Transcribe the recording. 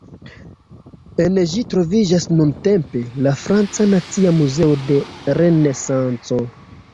En ĝi troviĝas nuntempe la "Franca Nacia Muzeo de Renesanco".